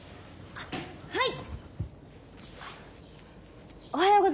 あっはい。